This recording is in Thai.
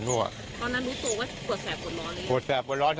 ตอนนั้นรู้ตัวว่าหัวแสบหัวร้อนอยู่